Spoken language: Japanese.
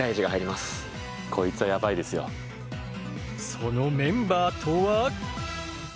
そのメンバーとは？